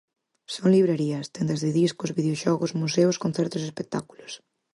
Son librerías, tendas de discos, videoxogos, museos, concertos e espectáculos.